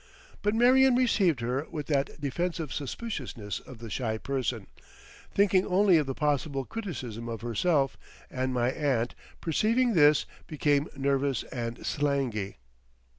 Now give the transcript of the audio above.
But Marion received her with that defensive suspiciousness of the shy person, thinking only of the possible criticism of herself; and my aunt, perceiving this, became nervous and slangy...